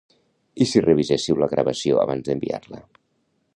I si revisessiu la gravació abans d'enviar-la?